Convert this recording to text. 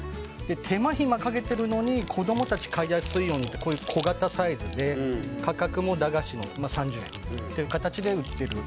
手間暇かけているのに子供たちが買いやすいようにこういう小型サイズで価格も３０円という形で売っている。